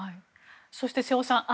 そして、瀬尾さん。